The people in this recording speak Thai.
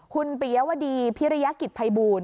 คุณปิยวดีพิริยกิจภัยบูล